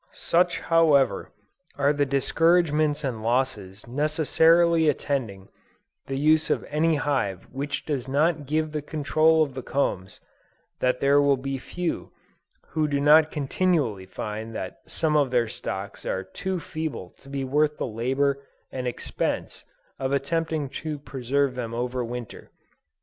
Such however, are the discouragements and losses necessarily attending the use of any hive which does not give the control of the combs, that there will be few who do not continually find that some of their stocks are too feeble to be worth the labor and expense of attempting to preserve them over Winter.